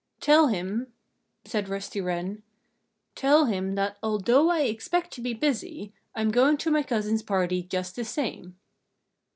"Tell him " said Rusty Wren "tell him that although I expect to be busy, I am going to my cousin's party just the same."